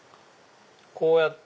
こうやって。